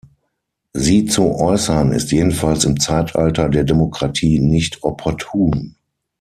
Sie zu äußern, ist jedenfalls im Zeitalter der Demokratie nicht opportun.